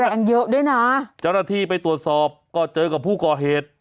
กันเยอะด้วยนะเจ้าหน้าที่ไปตรวจสอบก็เจอกับผู้ก่อเหตุ